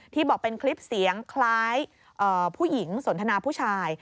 บอกเป็นคลิปเสียงคล้ายผู้หญิงสนทนาผู้ชาย